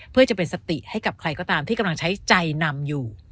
เพื่อจะเป็นสติให้กับใครก็ตามที่กำลังใช้ใจนำอยู่